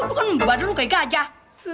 lo kan membawa lo kayak gajah